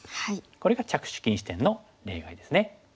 これが着手禁止点の例外ですね。